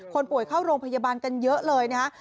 คนป่วยเข้าโรงพยาบาลกันเยอะเลยนะฮะ